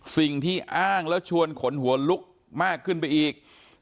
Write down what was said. สิ่งที่อ้างแล้วชวนขนหัวลุกมากขึ้นไปอีก